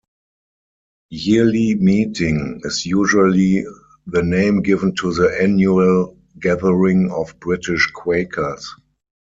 "Yearly Meeting" is usually the name given to the annual gathering of British Quakers.